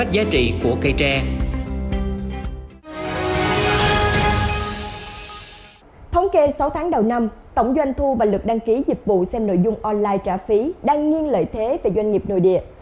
và lực đăng ký dịch vụ xem nội dung online trả phí đang nghiêng lợi thế về doanh nghiệp nội địa